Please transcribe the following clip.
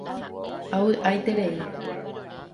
Avy'aiterei.